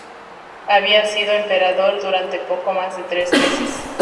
Había sido emperador durante poco más de tres meses.